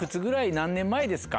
何年前ですか？